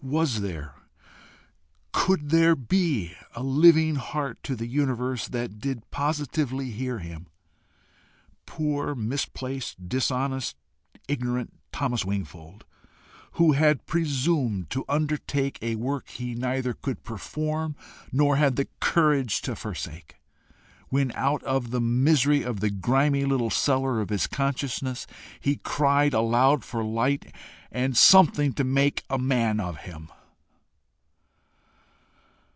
Was there could there be a living heart to the universe that did positively hear him poor, misplaced, dishonest, ignorant Thomas Wingfold, who had presumed to undertake a work he neither could perform nor had the courage to forsake, when out of the misery of the grimy little cellar of his consciousness he cried aloud for light and something to make a man of him?